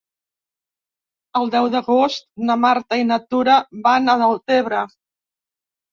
El deu d'agost na Marta i na Tura van a Deltebre.